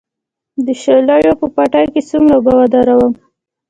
د شالیو په پټي کې څومره اوبه ودروم؟